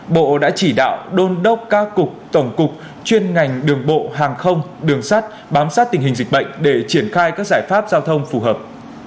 bộ đã chỉ đạo đôn đốc các cục tổng cục chuyên ngành đường bộ hàng không đường sát bám sát tình hình dịch bệnh để triển khai các giải pháp giao thông phù hợp